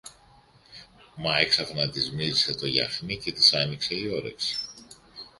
Μα έξαφνα της μύρισε το γιαχνί και της άνοιξε η όρεξη.